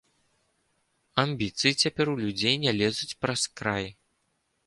Амбіцыі цяпер у людзей не лезуць праз край.